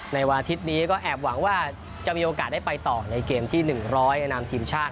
ในวันอาทิตย์นี้ก็แอบหวังว่าจะมีโอกาสได้ไปต่อในเกมที่๑๐๐ในนามทีมชาติ